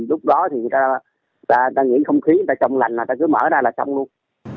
lúc đó thì ta nghĩ không khí ta trông lành là ta cứ mở ra là xong luôn